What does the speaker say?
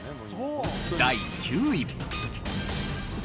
第９位。